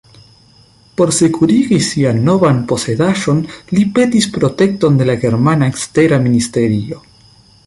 Por sekurigi sian novan posedaĵon li petis protekton de la germana ekstera ministerio.